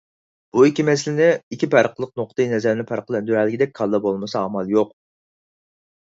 بۇ ئىككى مەسىلىنى، ئىككى پەرقلىق نۇقتىئىنەزەرنى پەرقلەندۈرەلىگۈدەك كاللا بولمىسا، ئامال يوق.